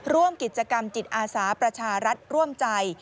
ร่วมกิจกรรมจิตอาสาประชารัฐร่วมใจ